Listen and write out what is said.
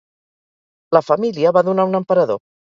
La família va donar un emperador.